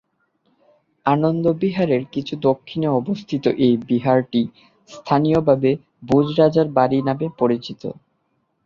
আনন্দ বিহারের কিছু দক্ষিণে অবস্থিত এই বিহারটি স্থানীয়ভাবে ভোজ রাজার বাড়ী নামে পরিচিত।